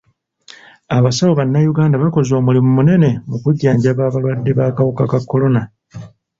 Abasawo bannayuganda bakoze omulimu munene mu kujjanjaba abalwadde b'akawuka ka kolona.